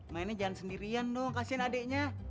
mainnya jangan sendirian dong kasihin adeknya